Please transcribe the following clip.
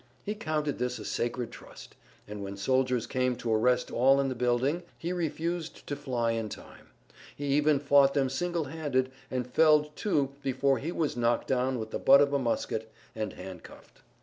He counted this a sacred trust, and when soldiers came to arrest all in the building he refused to fly in time. He even fought them single handed and felled two before he was knocked down with the butt of a musket and handcuffed.